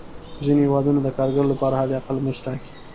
ځینې هېوادونه د کارګرو لپاره حد اقل مزد ټاکي.